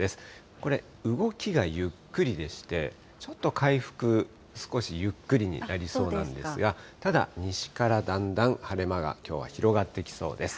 これ、動きがゆっくりでして、ちょっと回復、少しゆっくりになりそうなんですが、ただ西からだんだん晴れ間がきょうは広がってきそうです。